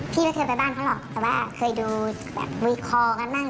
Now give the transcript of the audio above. ไม่เคยไปบ้านเขาหรอกแต่ว่าเคยดูแบบวีคอกันบ้าง